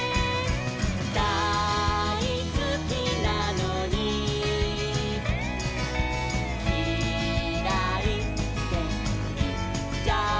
「だいすきなのにキライっていっちゃう」